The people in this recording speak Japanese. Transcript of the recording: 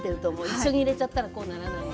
一緒に入れちゃったらこうならない。